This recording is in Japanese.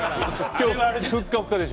今日ふっかふかです。